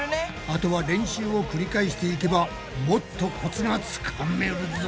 あとは練習を繰り返していけばもっとコツがつかめるぞ。